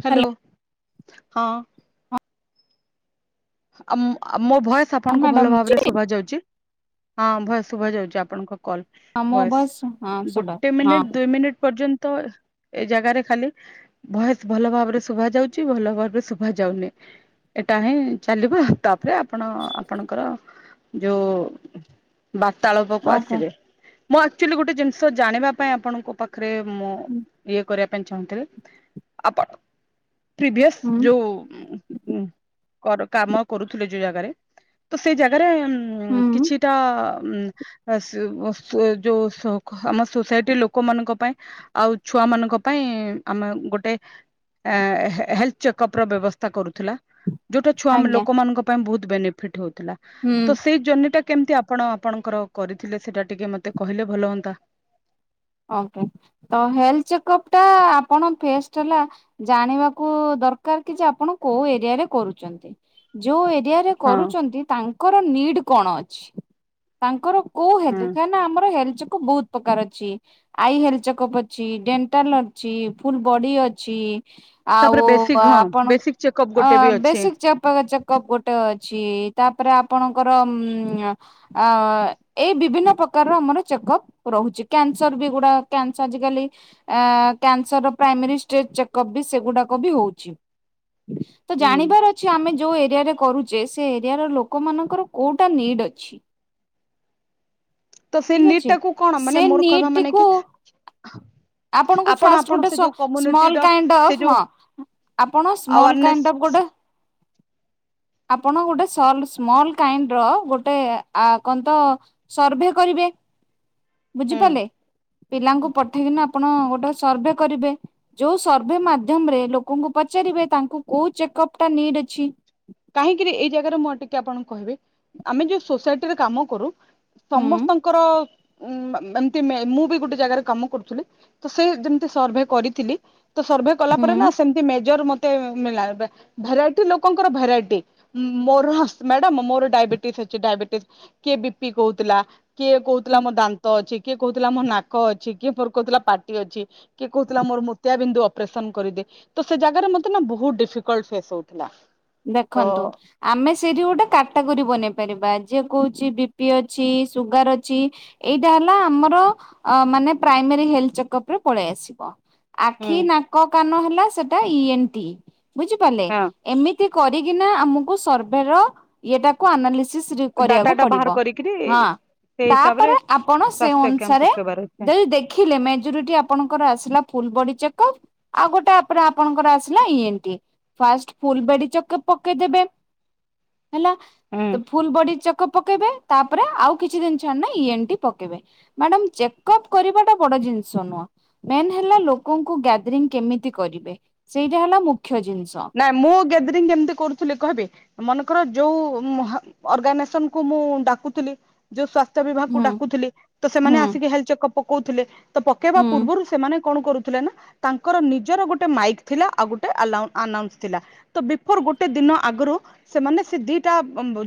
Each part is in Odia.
ହ୍ୟାଲୋ ହଁ। ଆ ମୋ ଭୟସ ହଁ ଆପଣଙ୍କୁ ଭଲ ମ୍ୟାଡାମ ଅଛି ଭାବରେ ଶୁଭ ଯାଉଛି? ହଁ ଭଏସ ଶୁଭ ଯାଉଛି ଆପଣଙ୍କ କଲ। ମୋ ବସ୍ ଭଏସ୍ ହଁ ଶୁଭା ଗୋଟେ ହଁ ମିନିଟ ଦୁଇ ମିନିଟ୍ ପର୍ଯ୍ୟନ୍ତ ଏ ଜାଗାରେ ଖାଲି ବୟସ ଭଲ ଭାବରେ ଶୁଭା ଯାଉଛି ଭଲ ଭାବରେ ଶୁଭା ଯାଉନି। ଏଇଟା ହିଁ ଚାଲିବ ତାପରେ ଆପଣ ଆପଣଙ୍କର ଯୋଉ ବାର୍ତ୍ତାଳପକୁ ଓକେ। ଆସିବେ। ମୁଁ ଆକ୍ଚୁଆଲି ଗୋଟେ ଜିନିଷ ଜାଣିବା ପାଇଁ ଆପଣଙ୍କ ପାଖରେ ପାଖରେ ମୁଁ ଇଏ କରିବା ପାଇଁ ଚାହୁଁଥିଲି ଆପଣ ପ୍ରଭିୟସ ହୁଁ ଯୋଉ କାମ କରୁଥିଲେ ଯୋଉ ଜାଗାରେ ତ ସେଇ ଜାଗାରେ ଉ ହୁଁ କିଛିଟା ଉ ଯୋଉ ଆମ ସୋସାଇଟି ଲୋକମାନଙ୍କ ପାଇଁ ଆଉ ଛୁଆ ମାନଙ୍କ ପାଇଁ ଆମେ ଗୋଟେ ହେଲ୍ଥ ଚେକଅପ୍ର ବ୍ୟବସ୍ଥା କରୁଥିଲା। ଯୋଉଟା ଛୁଆ ଆଜ୍ଞା ଲୋକମାନଙ୍କ ପାଇଁ ବହୁତ ବେନିଫିଟ ହଉଥିଲା। ହୁଁ ତ ସେଇ ଜର୍ଣ୍ନିଟା କେମିତି ଆପଣ ଆପଣଙ୍କର କରିଥିଲେ ସେଇଟା ଟିକେ ମତେ କହିଲେ ଭଲ ହୁଅନ୍ତା? ହଁ ହେଲ୍ଥ ଚେକପ ଟା ଆପଣ ପେଷ୍ଟ ହେଲା ଜାଣିବାକୁ ଦରକାର କି ଯେ ଆପଣ କୋଉ ଏରିଆରେ କରୁଛନ୍ତି। ଯେଉଁ ଏରିଆରେ ହଁ କରୁଛନ୍ତି ତାଙ୍କର ନିଡ଼୍ କଣ ଅଛି। ତାଙ୍କର କୋ ହୁଁ ହେଲ୍ଥ କାଁ ନା ଆମର ହେଲଥ ଯକୁ ବହୁତ ପ୍ରକାର ଅଛି। ଆଇ ହେଲ୍ଥ ଚେକଅପ୍ ଅଛି ଡେଣ୍ଟାଲ ଅଛି ଫୁଲ ବଡି ଅଛି। ଆଉ ତାପରେ ବେସିକ ହଁ ଆପଣ ବେସିକ ଚେକଅପ ଅ ଗୋଟେ ବି ଅଛି ବେଶିକ [unintelligible] ଗୋଟେ ଅଛି ତାପରେ ଆପଣଙ୍କର ଅ ଏଇ ବିଭିନ୍ନ ପ୍ରକାରର ଆମର ଚେକପ ରହୁଛି। କ୍ୟାନ୍ କ୍ୟାନ୍ସର ବି ଗୁଡା କ୍ୟାନଶ୍ ଆଜି କାଲି କ୍ୟାନସର ର ପ୍ରାଇମେରୀ ଷ୍ଟେଜ ଚେକଅପ୍ ବି ସେଗୁଡାକ ବି ହଉଛି। ତ ହୁଁ ଜାଣିବାର ଅଛି ଅଛି ଆମେ ଯୋଉ ଏରିଆରେ କରୁଛେ ସେ ଏରିଆରେ ଲୋକମାନଙ୍କର କୋଉଟା ନିଡ୍ ଅଛି। [inaudible] ତ ସେଇ ଠିକ ଅଛି ନିଡ୍ କୁ କଣ ସେ ମାନେ ମୋର ନିଡ୍ କହିବା ମାନେ ଟିକୁ କି ଆପଣଙ୍କୁ ଆପଣ ଫାଷ୍ଟ ଆପଣ ଗୋଟେ ସେ ଯୋଉ ସ୍ମଲ କମ୍ୟୁନିଟିର କାଇଣ୍ଡ ସେ ଅଫ୍ ଯୋଉ ହଁ ଆପଣ ସ୍ମଲ୍ କାଇଣ୍ଡ୍ ଅଫ୍ ଆୱାରନେସ ଗୋଟେ [inaudible] ଆପଣ ଗୋଟେ ସଲ - ସ୍ମଲ କାଇଣ୍ଡ ର ଗୋଟେ ଆ କହନ୍ତ ସର୍ଭେ କରିବେ ହୁଁ ବୁଝିପାରିଲେ। ପିଲାଙ୍କୁ ପଠେଇକିନା ଆପଣ ଗୋଟେ ସର୍ଭେ କରିବେ। ଯୋଉ ସର୍ଭେ ମାଧ୍ୟମ ରେ ଲୋକଙ୍କୁ ପଚାରିବେ ତାଙ୍କୁ କୋଉ ଚେକଅପ ନିଡ୍ ଅଛି। କାହିଁକିରି ଏଇ ଜାଗାରେ ମୁଁ ଟିକେ ଆପଣଙ୍କୁ କହିବି ଆମେ ଯୋଉ ସୋସାଇଟିରେ କାମ କରୁ ହୁଁ ସମସ୍ତଙ୍କ ଙ୍କର ଏମତି ମୁଁ ବି ଗୋଟେ ଜାଗାରେ କାମ କରୁଥିଲି। ତ ସେ ଯେମିତି ସର୍ଭେ କରିଥିଲି ତ ସର୍ଭେ କଲା ପରେ ହୁଁ ନା ସେମତି ମେଜର ମତେ [unintelligible] ଭେରାଇଟି ଲୋକଙ୍କର ଭେରାଇଟି ପେ ମୋର ମ୍ୟାଡମ୍ ମୋର ଡାଇବେଟିସ୍ ଅଛି। ଡାଇବେଟିସ କିଏ ବିପି କହୁଥିଲା। କିଏ କହୁଥିଲା ମୋ ଦାନ୍ତ ଅଛି କିଏ କହୁଥିଲା ମୋ ନାକ ଅଛି କିଏ କହୁଥିଲା ପାଟି ଅଛି। କିଏ କହୁଥିଲା ମୋର ମୁତିଆ ବିନ୍ଦୁ ଅପରେସନ କରିଦେ ତ ସେ ଜାଗାରେ ମତେ ନା ବହୁତ ଡିଫିକଲଟ ଫେସ ହଉଥିଲା। ତ ଦେଖନ୍ତୁ ଆମେ ସେଇଠି ଗୋଟେ କାଟାକରି ବନେଇ ପାରିବା ଯିଏ କହୁଛି ବିପି ଅଛି ସୁଗାର ଅଛି ଏଇଟା ହେଲା ଆମର ମାନେ ପ୍ରାଇମାରୀ ହେଲ୍ ଥ ଚେକପରେ ପଳେଇ ଆସିବ। ଆଖି ହୁଁ ନାକ କାନ ହେଲା ସେଇଟା ଇଏନିଟି ବୁଝିପାରିଲେ ହଁ ଏମିତି କି କରିକିନା ଆମକୁ ସର୍ଭେ ର ଇଏଟାକୁ ଆନାଲିସିସ୍ ଡାଟା କରିବାକୁ ଟା ପଡିବ ବାହାର କରିକିରି ହଁ। ସେଇ ହିସାବରେ ତାପରେ ଆପଣ ସେ ସ୍ୱାସ୍ଥ୍ୟ କ୍ୟାମ୍ପ ଅନୁସାରେ ପକେଇବାର ଅଛି ଦିଲ୍ ଦେଖ ଦେଖିଲେ ମେଜରିଟି ଆପଣଙ୍କର ଆସିଲା ଫୁଲ୍ ବଡି ଚେକପ୍ ଆଉ ଗୋଟେ ଆପରେ ଆପଣଙ୍କର ଆସିଲା ଇଏନିଟ୍ ଫାଷ୍ଟ ଫୁଲ୍ ବଡି ଚେକପ୍ ପକେଇଦେବେ ହେଲା ହୁଁ। ତ ଫୁଲ ବଡି ଚକେପ ପକେଇବେ ତାପରେ ଆଉ କିଛି ଦିନ ଛାଡ଼ିଲେ ଇଏନ୍ଟି ପକେଇବେ। ମ୍ୟାଡାମ୍ ଚେକଅପ୍ କରିବା ଟା ବଡ ଜିନିଷ ନୁହଁ। ମେନ୍ ହେଲା ଲୋକଙ୍କୁ ଗ୍ୟାଦରିଂ କେମିତି କରିବେ ସେଇଟା ହେଲା ମୁଖ୍ୟ ଜିନିଷ। ନାଇଁ ମୁଁ ଗ୍ୟାଦରିଂ କେମିତି କରୁଥିଲି କହିବି? ମନେକର ଯୋଉ ହ ଅର୍ଗାନାଇଜେସନ କ ମୁଁ ଡାକୁଥିଲି। ଯୋଉ ସ୍ଵାସ୍ଥ୍ୟ ବିଭାଗକୁ ହୁଁ ଡାକୁୁଥିଲି ତ ସେମାନେ ହୁଁ ଆସିକି ହେଲଥ ଚେକଅପ୍ ପକଉଥିଲେ ତ ପକେଇବା ହୁଁ ପୂର୍ବରୁ ସେମାନେ କଣ କରୁଥିଲେ ନା ତାଙ୍କର ନିଜର ଗୋଟେ ମାଇକ୍ ଥିଲା ଆଉ ଗୋଟେ ଆଲାଉ - ଆନାଉନ୍ସ ଥିଲା। ତ ବିଫୋରୁ ଗୋଟେ ଦିନ ଆଗରୁ ସେମାନେ ସେ ଦିଟା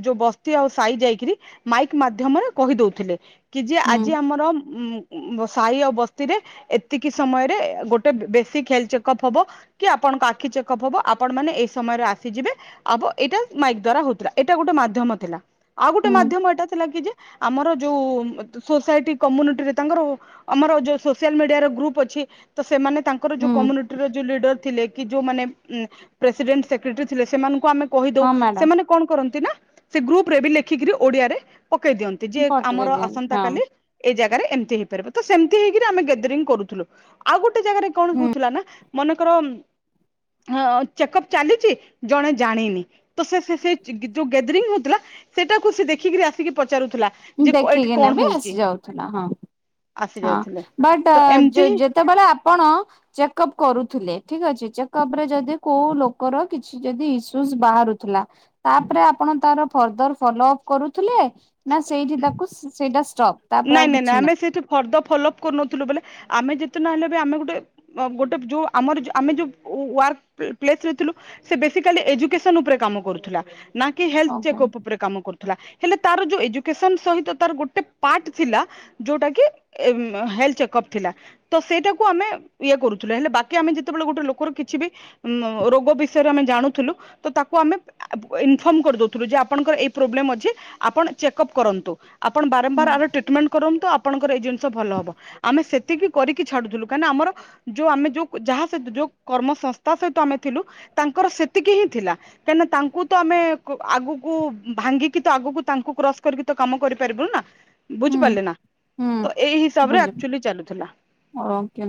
ଯୋଉ ବସ୍ତି ଆଉ ସହି ଜାଇକିରି [unintelligible] ମାଇକ୍ ମାଧ୍ୟମରେ କହି ଦଉଥିଲେ କି ଯେ ହୁଁ ଆଜି ଆମର ମୁଁ ସାହି ଆଉ ବସ୍ତିରେ ଏତିକି ସମୟରେ ଗୋଟେ ବେସିକ୍ ହେଲ୍ ଥ ଚେକଅପ୍ ହବ। କି ଆପଣଙ୍କ ଆଖି ଚେକଅପ୍ ହବ ଆପଣ ମାନେ ଏଇ ସମୟରେ ଆସିଯିବେ ଆବ ଏଇଟା ମାଇକ୍ ଦ୍ଵାରା ହଉଥିଲା ଏଇଟା ଗୋଟେ ମାଧ୍ୟମ ଥିଲା, ଆଉ ଗୋଟେ ହୁଁ ମାଧ୍ୟମ ଏଟା ଥିଲା କି ଯେ ଆମର ଯୋଉ ସୋସାଇଟି କମ୍ୟୁନିଟିରେ ତାଙ୍କର ଓ ଆମର ଯୋଉ ସୋସିଆଲ ମିଡିଆ ର ଗ୍ରୁପ୍ ଅଛି ତ ସେମାନେ ତାଙ୍କର ହୁଁ ଯୋଉ କମୁନିଟିର ଯଉ ଲିଡର ଥିଲେ କି ଯୋଉମାନେ ପ୍ରେସିଡେଣ୍ଟ ସେକ୍ରେଟାରୀ ଥିଲେ ସେମାନଙ୍କୁ ଆମେ କହି ଦଉ ହଁ ମ୍ୟାଡାମ ସେମାନେ କଣ କରନ୍ତି ନା ସେ ଗ୍ରୁପ ରେ ବି ଲେଖିକିରି ଓଡିଆରେ ପକେଇ ଦିଅନ୍ତି। ଯେ ପଟେଇ ଆମର ଦିଅନ୍ତୁ ଆସନ୍ତା ହଁ କାଲି ଏଇ ଜାଗାରେ ଏମିତି ହେଇପାରିବ। ତ ସେମିତି ହେଇକିରି ଆମେ ଗ୍ୟାଦରିଂ କରୁଥିଲୁ ଆଉ ଗୋଟେ ଜାଗାରେ କଣ ହଉଥିଲା ନା ମନେକର ହଁ ଚେକପ ଚାଲିଛି ଜଣେ ଜାଣିନି। ତ ସେ ସେ ସେ ଯୋଉ ଗାଦରିଂ ହଉଥିଲା। ସେଟାକୁ ସେ ଦେଖିକିରି ଆସିକି ପଚାରୁଥିଲା। ଯେ ଏଠି ଦେଖିକିନା କଣ ବି ହଉଛି ଆସି ଯାଉଥିଲା। ହଁ ଆସି ହଁ ଯାଉଥିଲେ ବଟ୍ ତ ଯଯ ଏମିତି ହିଁ ଯେତେବେଳେ ଆପଣ ଚେକ ଅପ କରୁଥିଲେ ଠିକ ଅଛି ଚେକଅପ ରେ ଯଦି କୋଉ ଲୋକର କିଛି ଯଦି ଇସୁସ୍ ବାହରୁଥିଲା। ତାପରେ ଆପଣ ତାର ଫର୍ଦର ଫଲୋଅପ କରୁଥିଲେ ନା ସେଇଠି ତାକୁ ସେଇଟା ଷ୍ଟପ। ନାଇଁ ନାଇଁ ନାଇଁ ଆମେ ସେଇଠି ଫର୍ଦର ଫଲୋଅପ କରୁନଥିଲୁ ବୋଲେ ଆମେ ଯେତେ ନହଲେ ବି ଆମେ ଗୋଟେ ଗୋଟେ ଯୋଉ ଆମର ଯ ଆମେ ଯୋଉ ୱର୍କ ପ୍ଲେସ ରେ ଥିଲୁ ସେ ବେସିକାଲି ଏଜୁକସନ ଉପରେ କାମ କରୁଥିଲା। ନା କି ହେଲଥ ଓକେ ଚେକଅପ୍ ଉପରେ କାମ କରୁଥିଲା। ହେଲେ ତାର ଯୋଉ ଏଜୁକସନ ସହିତ ତାର ଗୋଟେ ପାର୍ଟ ଥିଲା ଯୋଉଟା କି ହେଲଥ୍ ଚେକଅପ୍ ଥିଲା। ତ ସେଇଟାକୁ ଆମେ ଇଏ କରୁଥିଲେ। ହେଲେ ବାକି ଆମେ ଯେତେବେଳେ ଗୋଟେ ଲୋକର କିଛି ବି ଉ ରୋଗ ବିଷୟରେ ଆମେ ଜାଣୁଥିଲୁ। ତ ତାକୁ ଆମେ ଇନ୍‌ଫର୍ମ କରିଦଉଥିଲୁ ଯେ ଆପଣଙ୍କର ଏଇ ପ୍ରୋବ୍ଲେମ୍ ଅଛି। ଆପଣ ଚେକ୍ଅପ୍ କରନ୍ତୁ। ଆପଣ ବା ହୁଁ ବାରମ୍ବାର ଆର ଟ୍ରିଟମେଣ୍ଟ କରନ୍ତୁ ଆଣଙ୍କର ଏଇ ଜିନିଷ ଭଲ ହବ ଆମେ ସେତିକି କରିକି ଛାଡୁଥିଲୁ କାହିଁନା ଆମର ଯୋଉ ଆମେ ଯୋଉ ଯାହା ସହିତ ଯୋଉ କର୍ମ ସଂସ୍ଥା ସହିତ ଆମେ ଥିଲୁ ତାଙ୍କର ସେତିକି ହିଁ ଥିଲା କାହିଁକିନା ତାଙ୍କୁ ତ ଆମେ ଆଗକୁ ଭାଙ୍ଗିକି ତ ଆଗକୁ ତାଙ୍କୁ କ୍ରସ କରିକି ତ କାମ କରିପାରିବୁନୁ ନା ହୁଁ ବୁଝିପାରିଲେ ନା ହୁଁ ତ ଏଇ ହିସାବ ରେ ଆକଚୁଲି ଚାଲୁଥିଲା ଓକ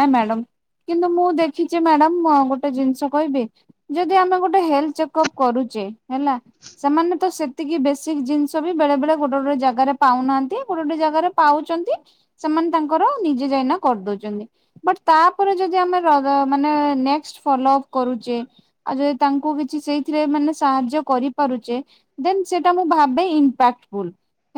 ନା ମ୍ୟାଡ଼ମ କିନ୍ତୁ ମୁଁ ଦେଖିଛି ମ୍ୟାଡାମ ଗୋଟେ ଜିନିଷ କହିବି ଯଦି ଆମେ ଗୋଟେ ହେଲଥ ଚେକଅପ୍ କରୁଛେ ହେଲା ସେମାନେ ତ ସେତିକି ବେସିକ ଜିନିଷ ବି ବେଳେ ବେଳେ ଗୋଟେ ଗୋଟେ ଜାଗାରେ ପାଉନାହାନ୍ତି ଗୋଟେ ଗୋଟେ ଜାଗାରେ ପାଉଛନ୍ତି ସେମାନେ ତାଙ୍କର ନିଜେ ଯାଇନା କରିଦଉଛନ୍ତି ବଟ ତାପରେ ଯଦି ଆମେ ମାନେ ନେକ୍ସଟ୍ ଫଲୋ ଅପ କରୁଛେ ଆଉ ଯଦି ତାଙ୍କୁ କିଛି ସେଇଥିରେ ମାନେ ସାହାଯ୍ୟ କରିପାରୁଛେ ଦେନ ସେଟା ମୁଁ ଭାବେ ଇମ୍ପାକ୍ଟଫୁଲ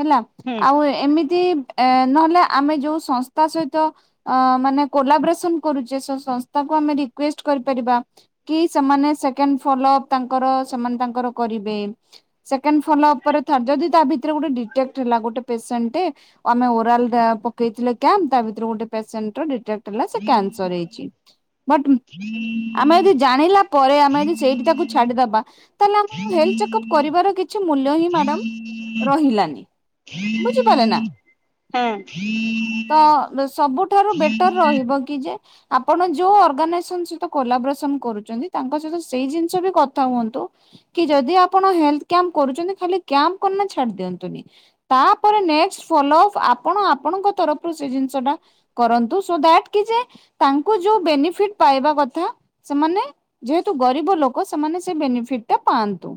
ହେଲା ହୁଁ ଆଉ ଏମିତି ଏ ନହେଲେ ଆମେ ଯୋଉ ସଂସ୍ଥା ସହିତ ଅ ମାନେ କୋଲାବରେସନ କରୁଛେ ସଂସ୍ଥାକୁ ଆମେ ରିକୁଏଷ୍ଟ କରିପାରିବା କି ସେମାନେ ସେକେଣ୍ଡ ଫଲୋଅପ ତାଙ୍କର ସେମାନେ ତାଙ୍କର କରିବେ ସେକେଣ୍ଡ ଫଲୋ ଉପ ପରେ ଯଦି ତା ଭିତରେ ଗୋଟେ ଡିଟ୍କେକ୍ଟ୍ ଥିଲା ଗୋଟେ ପେସେଣ୍ଟ ଟେ ଆମେ ଓରାଲ ପକେଇ ଥିଲେ କ୍ୟାମ୍ପ ତା ଭିତରେ ଗୋଟେ ପ୍ୟାସେଣ୍ଟ ର ଡିତେକ୍ଟ କାନସର ହେଇଛି ବଟ ଆମେ ଯଦି ଜାଣିଲା ପରେ ଆମେ ଯଦି ସେଇଠି ତାକୁ ଛାଡିଦବା ତାହେଲେ ଆମର ହେଲ୍ଥ ଚେକଅପ୍ କରିବାର କିଛି ମୂଲ୍ୟ ହିଁ ମ୍ୟାଡ଼ମ ରହିଲାନି ବୁଝିପାରିଲେ ନା ହଁ ତ ସବୁଠାରୁ ବେଟର ରହିବ କି ଯେ ଆପଣ ଯୋଉ ଅର୍ଗାନାଇଜେସନ ସହିତ କୋଲାବରେସନ କରୁଛନ୍ତି ତାଙ୍କ ସହିତ ସେଇ ଜିନିଷ ବି କଥା ହୁଅନ୍ତୁ କି ଯଦି ଆପଣ ହେଲଥ କ୍ୟାମ୍ପ କରୁଛନ୍ତି ଖାଲି କ୍ୟାମ୍ ଛାଡି ଦିଅନ୍ତୁନି ତାପରେ ନେକ୍ସଟ୍ ଫଲ ଆପଣ ଆପଣଙ୍କ ତରଫରୁ ସେ ଜିନିଷ ଟା କରନ୍ତୁ ସୋ ଦାଟ କି ଯେ ତାଙ୍କୁ ଯୋଉ ବେନିଫିଟ ପାଇବା କଥା ସେମାନେ ଯେହେତୁ ଗରିବ ଲୋକ ସେମାନେ ସେ ବେନିଫିଟ ଟା ପାଆନ୍ତୁ।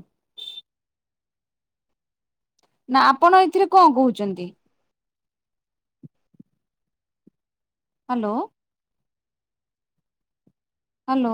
ନା ଆପଣ ଏଥିରେ କଣ କହୁଚନ୍ତି? ହାଲୋ। ହାଲୋ।